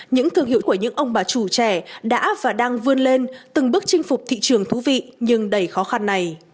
những thương hiệu của những ông bà chủ trẻ đã và đang vươn lên từng bước chinh phục thị trường thú vị nhưng đầy khó khăn này